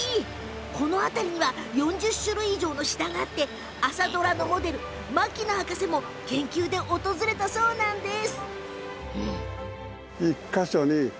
この辺りには４０種類以上のシダがあって朝ドラのモデル、牧野博士も研究で訪れたそうなんです。